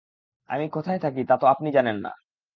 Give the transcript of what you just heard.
আমি কোথায় থাকি তা তো আপনি জানেন না।